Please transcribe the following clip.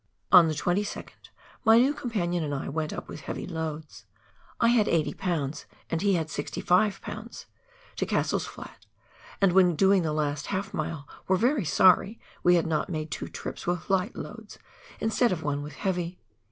On the 22nd, my new companion and I went up with heavy loads — I had 80 lbs. and he had 65 lbs. — to Cassell's Flat, and when doing the last half mile were very sorry we had not made two trips with light loads, instead of one with heavy.